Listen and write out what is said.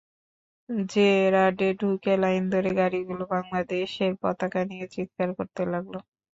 জেরাডে ঢুকে লাইন ধরে গাড়িগুলো বাংলাদেশের পতাকা নিয়ে চিৎকার করতে লাগল।